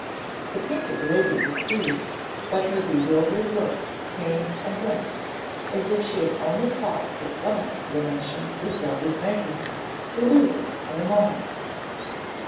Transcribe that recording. The Painted Lady was soothed, but her bewildered look came and went, as if she only caught at some explanation Grizel was making, to lose it in a moment.